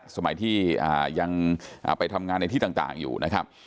สมัยที่ยังไปทำงานในที่ต่างอยู่นะครับ